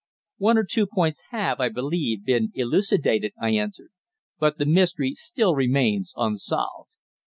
"One or two points have, I believe, been elucidated," I answered; "but the mystery still remains unsolved."